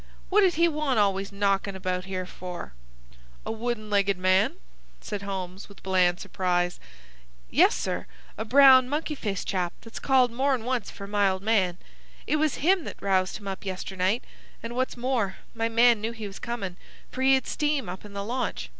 What did he want always knockin' about here for?" "A wooden legged man?" said Holmes, with bland surprise. "Yes, sir, a brown, monkey faced chap that's called more'n once for my old man. It was him that roused him up yesternight, and, what's more, my man knew he was comin', for he had steam up in the launch.